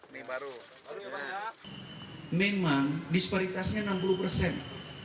memang disparitasnya enam puluh persen